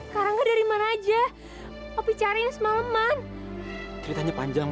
karangnya dari mana aja opi cari semaleman ceritanya panjang